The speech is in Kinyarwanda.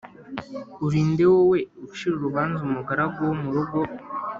Uri nde wowe ucira urubanza umugaragu wo mu rugo